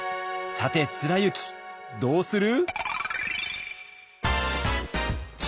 さて貫之どうする？